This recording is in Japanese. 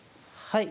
はい。